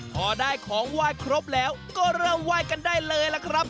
พอได้ของไหว้ครบแล้วก็เริ่มไหว้กันได้เลยล่ะครับ